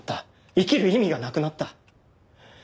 生きる意味がなくなった。